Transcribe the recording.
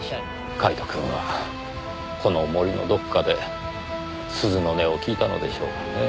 カイトくんはこの森のどこかで鈴の音を聞いたのでしょうかねぇ。